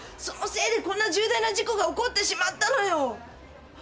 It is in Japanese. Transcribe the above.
そのせいでこんな重大な事故が起こってしまったのよ！